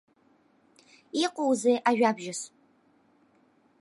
Иҟоузеи ажәабжьыс?